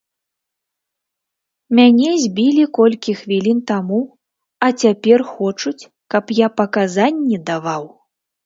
Мяне збілі колькі хвілін таму, а цяпер хочуць, каб я паказанні даваў!